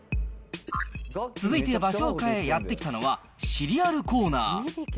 続いて場所を変えやって来たのはシリアルコーナー。